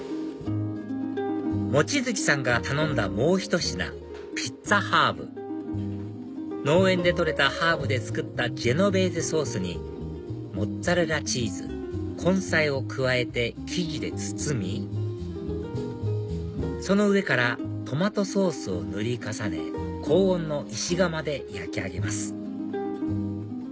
望月さんが頼んだもうひと品ピッツァハーブ農園で採れたハーブで作ったジェノベーゼソースにモッツァレラチーズ根菜を加えて生地で包みその上からトマトソースを塗り重ね高温の石窯で焼き上げます